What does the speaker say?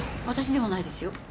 私でもないですよ。